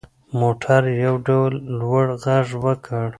موټر یو ډول لوړ غږ وکړ.